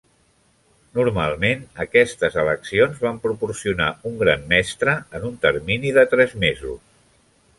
Normalment, aquestes eleccions van proporcionar un gran mestre en un termini de tres mesos.